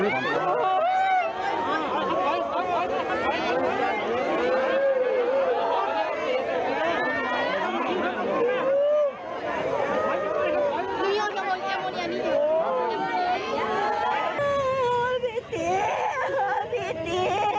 พี่ตี๋พี่ตี๋พี่ตี๋